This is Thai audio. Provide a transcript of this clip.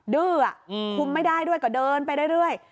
ดื้อคุมไม่ได้ด้วยก็เดินไปเรื่อย